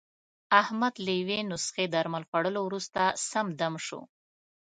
احمد له یوې نسخې درمل خوړلو ورسته، سم دم شو.